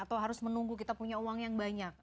atau harus menunggu kita punya uang yang banyak